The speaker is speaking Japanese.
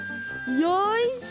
よいしょ。